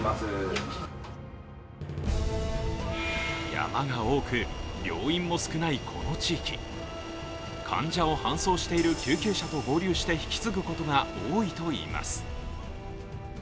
山が多く、病院も少ないこの地域患者を搬送している救急車と合流して引き継ぐことが多いといいます。